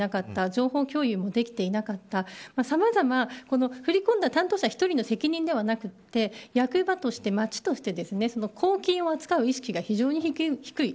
情報共有もできていなかった振り込んだ担当者１人の責任ではなく役場として、町として公金を扱う意識が非常に低い。